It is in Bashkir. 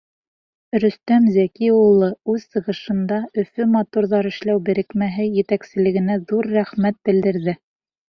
Рөстәм Зәки улы үҙ сығышында Өфө моторҙар эшләү берекмәһе етәкселегенә ҙур рәхмәт белдерҙе.